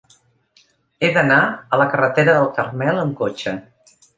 He d'anar a la carretera del Carmel amb cotxe.